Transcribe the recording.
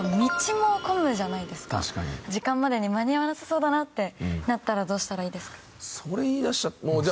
時間までに間に合わなさそうだなってなったらどうしたらいいですか？